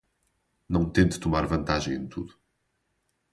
Não tente tomar vantagem em tudo